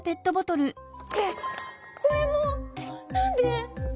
えっこれも！何で！？